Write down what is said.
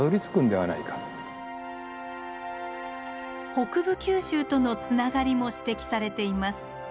北部九州とのつながりも指摘されています。